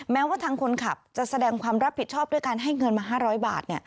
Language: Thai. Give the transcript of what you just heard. แม้ว่าทางคนขับจะแสดงความรับผิดชอบด้วยการให้เงินมา๕๐๐บาท